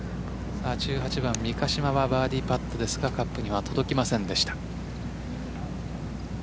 １８番三ヶ島はバーディーパットですがカップには届きませんでした。